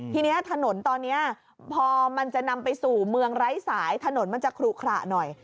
ทีนี้ถนนตอนนี้พอมันจะนำไปสู่เมืองไร้สายถนนมันจะขลุขระหน่อย